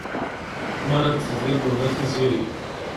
Mi ara d-teḍilleḍ a tiziri.